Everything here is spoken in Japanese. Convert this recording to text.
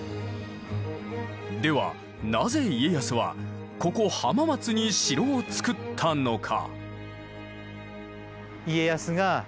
ではなぜ家康はここ浜松に城を造ったのか。